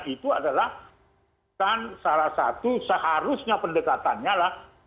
itu adalah salah satu seharusnya pendekatannya lah